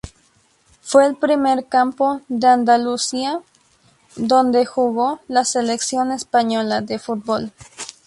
Fue el primer campo de Andalucía donde jugó la Selección Española de Fútbol.